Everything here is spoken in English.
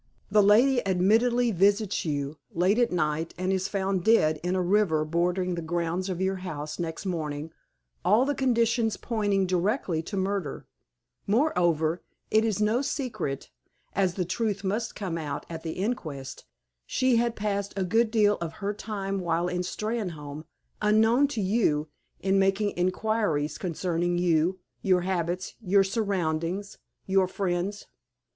The lady admittedly visits you, late at night, and is found dead in a river bordering the grounds of your house next morning, all the conditions pointing directly to murder. Moreover—it is no secret, as the truth must come out at the inquest—she had passed a good deal of her time while in Steynholme, unknown to you, in making inquiries concerning you, your habits, your surroundings, your friends.